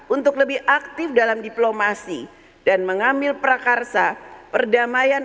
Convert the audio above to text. untuk lebih aktif dalam diplomasi dan mengambil prakarsa perdamaian